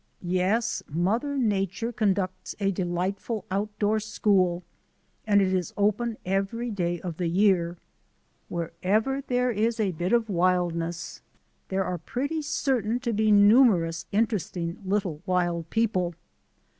Yes, Mother Nature conducts a delightful out 42 THE ADVENTURES OF A NATURE GUIDE door school and it is open every day in the year. Wherever there is a bit of wildness there are pretty certain to be numerous interesting little wild peo ple.